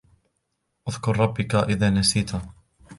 اذْكُر رَّبَّكَ إِذَا نَسِيتَ.